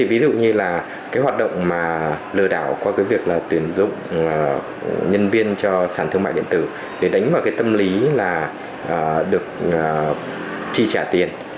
ví dụ như hoạt động lừa đảo qua việc tuyển dụng nhân viên cho sản thương mại điện tử để đánh vào tâm lý được chi trả tiền